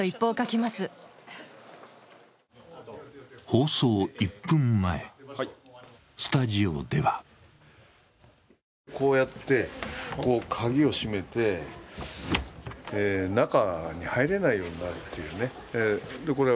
放送１分前、スタジオではこうやって鍵を閉めて、中に入れないようになるというね。